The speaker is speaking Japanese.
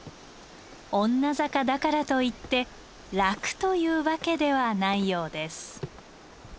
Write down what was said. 女坂だからといって楽というわけではないようです。